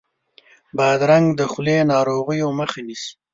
بادرنګ د خولې ناروغیو مخه نیسي.